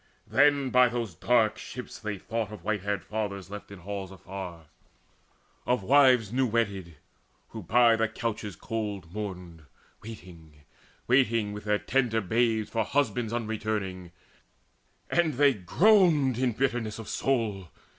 Then by those dark ships they thought Of white haired fathers left in halls afar, Of wives new wedded, who by couches cold Mourned, waiting, waiting, with their tender babes For husbands unreturning; and they groaned In bitterness of soul.